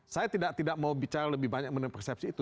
saya tidak mau bicara lebih banyak mengenai persepsi itu